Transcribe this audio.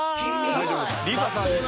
大丈夫です。